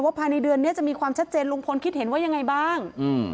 ภายในเดือนนี้จะมีความชัดเจนลุงพลคิดเห็นว่ายังไงบ้าง